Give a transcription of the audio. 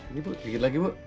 ini bu sedikit lagi bu